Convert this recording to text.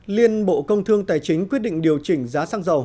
liên bộ công thương tài chính quyết định điều chỉnh giá xăng dầu